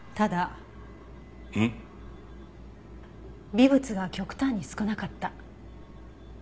微物が極端に少なかった。